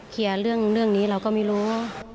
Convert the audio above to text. เคลียร์เรื่องนี้เราก็ไม่รู้